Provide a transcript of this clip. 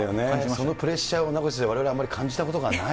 そのプレッシャーを、名越先生、われわれあまり感じたことがない。